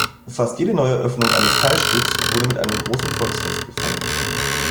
Fast jede Neueröffnung eines Teilstückes wurde mit einem großen Volksfest gefeiert.